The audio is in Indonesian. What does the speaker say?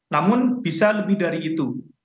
namun bisa lebih dari itu